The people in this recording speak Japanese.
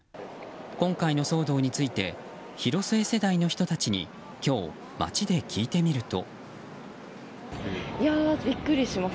今回の騒動について広末世代の人たちに今日、街で聞いてみると。